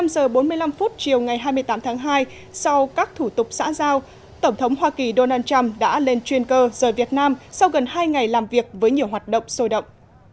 một mươi giờ bốn mươi năm chiều ngày hai mươi tám tháng hai sau các thủ tục xã giao tổng thống hoa kỳ donald trump đã lên chuyên cơ rời việt nam sau gần hai ngày làm việc với nhiều hoạt động sôi động